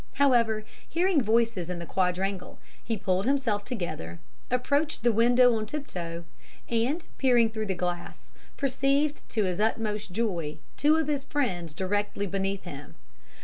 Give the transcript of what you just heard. However, hearing voices in the quadrangle, he pulled himself together, approached the window on tiptoe, and, peering through the glass, perceived to his utmost joy two of his friends directly beneath him.